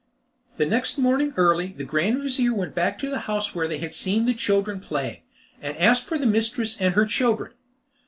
The next morning early, the grand vizir went back to the house where they had seen the children playing, and asked for the mistress and her children.